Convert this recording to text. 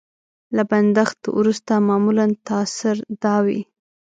له بندښت وروسته معمولا تاثر دا وي.